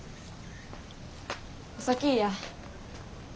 お先ぃや。